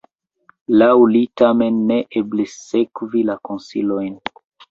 Laŭ li tamen ne eblis sekvi la konsilojn.